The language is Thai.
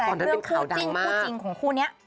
แต่เรื่องคู่จิ้นคู่จริงของคู่นี้